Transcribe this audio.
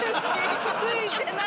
ついてない。